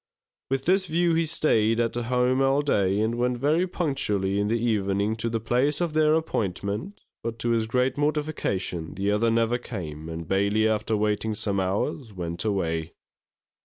With this view he staid at home all day, and went very punctually in the evening to the place of their appointment; but to his great mortification the other never came, and Bailey, after waiting some hours, went away.